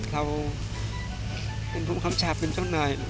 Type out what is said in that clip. เราเป็นผู้ค้ำชาเป็นเจ้านาย